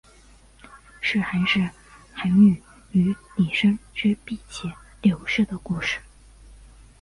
是寒士韩翃与李生之婢妾柳氏的故事。